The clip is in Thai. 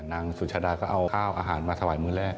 สุชาดาก็เอาข้าวอาหารมาถวายมื้อแรก